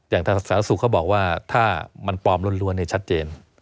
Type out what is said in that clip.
อย่างศาสุเขาบอกว่าถ้ามันปลอมล้วนเนี่ยชัดเจน